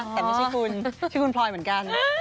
แต่ไม่ใช่คุณชื่อคุณพลอยเหมือนกัน